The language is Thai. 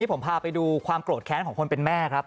ผมพาไปดูความโกรธแค้นของคนเป็นแม่ครับ